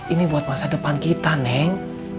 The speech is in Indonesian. ini buat masa depan kita neng